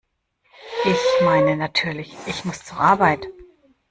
Ich meine natürlich, ich muss zur Arbeit!